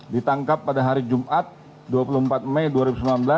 ditangkap pada hari jumat dua puluh empat mei dua ribu sembilan belas